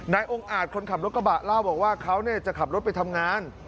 องค์อาจคนขับรถกระบะเล่าบอกว่าเขาจะขับรถไปทำงาน